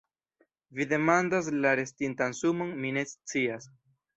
Vi demandas la restintan sumon, mi ne scias.